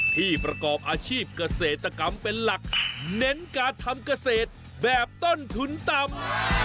ที่ประกอบอาชีพเกษตรกรรมเป็นหลักเน้นการทำเกษตรแบบต้นทุนต่ำ